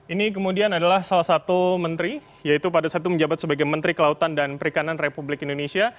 ini kemudian adalah salah satu menteri yaitu pada saat itu menjabat sebagai menteri kelautan dan perikanan republik indonesia